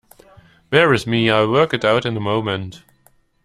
Bear with me; I'll work it out in a moment.